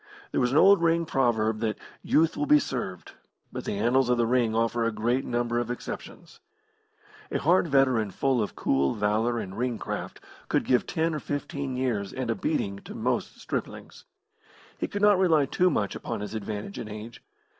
There was an old ring proverb that "Youth will be served," but the annals of the ring offer a great number of exceptions. A hard veteran full of cool valour and ring craft, could give ten or fifteen years and a beating to most striplings. He could not rely too much upon his advantage in age.